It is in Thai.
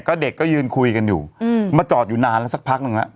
ก็เด็กก็ยืนคุยกันอยู่มาจอดอยู่นานแล้วสักพักหนึ่งแล้ว